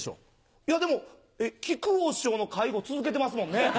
いやでも木久扇師匠の介護続けてますもんね。